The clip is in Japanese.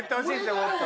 もっと。